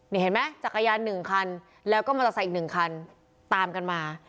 นี่เห็นไหมจักรยาน๑คันแล้วก็มอเตอร์ไซค์อีก๑คันตามกันมา